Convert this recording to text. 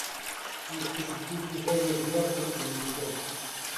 Isto supuxo serias liortas cos visigodos.